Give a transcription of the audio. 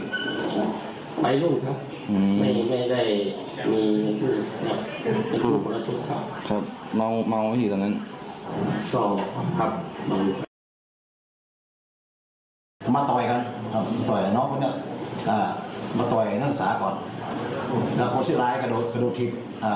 กับคนเสียร้ายกระโดดแต่โดดทิบ